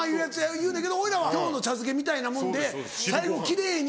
いうねんけど俺は京の茶漬けみたいなもんで最後奇麗に。